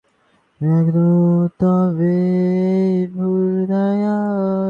এ জগতে কোনো রহস্য নেই।